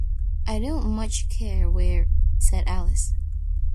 ‘I don’t much care where—’ said Alice.